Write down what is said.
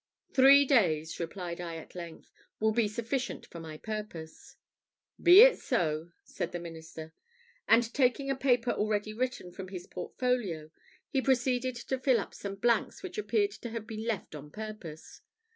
"Three days," replied I, at length, "will be sufficient for my purpose." "Be it so," said the minister; and taking a paper already written, from his portfolio, he proceeded to fill up some blanks which appeared to have been left on purpose.